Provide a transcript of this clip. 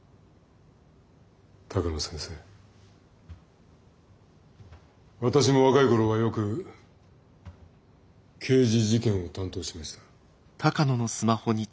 鷹野先生私も若い頃はよく刑事事件を担当しました。